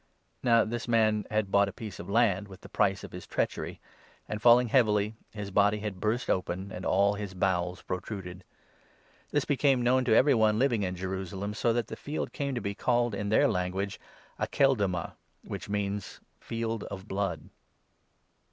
(This man had bought a piece of land with the price of his 18 treachery ; and, falling heavily, his body had burst open, and all his bowels protruded. This became known to every one living 19 in Jerusalem, so that the field came to be called, in their lan guage, ' Akeldama,' which means the ' Field of Blood.')